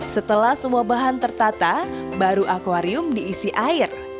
setelah semua bahan tertata baru akwarium diisi air